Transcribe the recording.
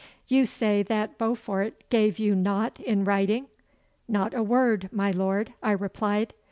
You say that Beaufort gave you nought in writing?' 'Not a word, my lord,' I replied.